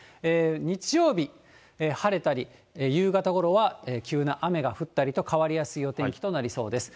日曜日、晴れたり夕方ごろは急な雨が降ったりと、変わりやすいお天気となりそうです。